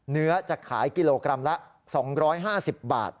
เนื้อจะขายกิโลกรัมละ๒๕๐บาท